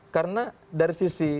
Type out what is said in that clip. karena dari sisi kepemilikan lahan